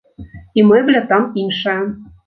І мэбля там іншая.